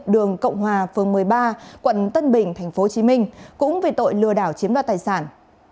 đường cộng hòa phường một mươi ba quận tân bình tp hcm cũng về tội lừa đảo chiếm đoạt tài sản